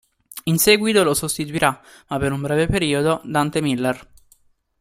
In seguito lo sostituirà, ma per un breve periodo, Dante Miller.